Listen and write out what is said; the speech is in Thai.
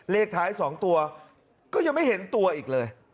เลขท้าย๒ตัวก็ยังไม่เห็นตัวอีกเลย